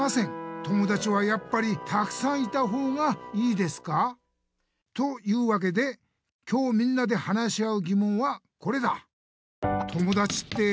友だちはやっぱりたくさんいたほうがいいですか？」。というわけで今日みんなで話し合うぎもんはこれだ！